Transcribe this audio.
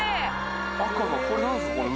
赤がこれ何ですか？